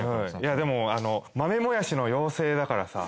でも豆もやしの妖精だからさ。